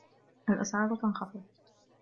الاسعار تنخفض